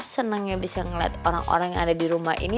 senangnya bisa ngeliat orang orang yang ada di rumah ini